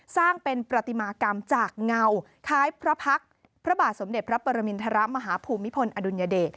สร้างเป็นประติมากรรมจากเงาคล้ายพระพักษ์พระบาทสมเด็จพระปรมินทรมาฮภูมิพลอดุลยเดช